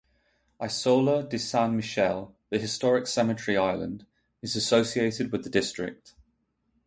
Isola di San Michele, the historic cemetery island, is associated with the district.